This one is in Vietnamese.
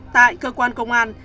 tại cơ quan công an